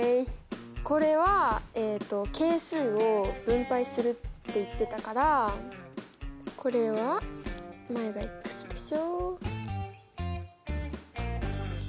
これはえっと「係数を分配する」って言ってたからこれは前がでしょ？